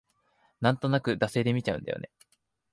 なんとなく惰性で見ちゃうんだよね